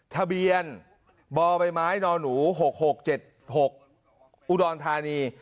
ทะเบียนบไมน๖๖๗๖อุดรทานี